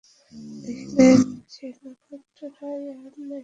দেখিলেন, সে নক্ষত্ররায় আর নাই।